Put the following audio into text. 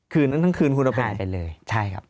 คืนนั้นทั้งคืนคุณเอาไป